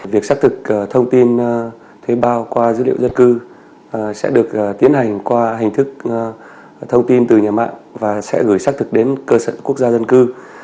việc xác thực thông tin thuê bao qua dữ liệu dân cư sẽ được tiến hành qua hình thức thông tin từ nhà mạng và sẽ gửi xác thực đến cơ sở quốc gia dân cư